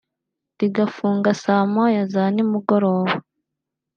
rigafunga saa moya za nimuguroba